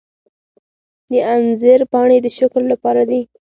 د انځر پاڼې د شکر لپاره دي.